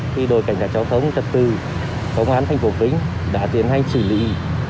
khi đội cảnh sát giao thông trật tư công an tp vinh đã tiến hành xử lý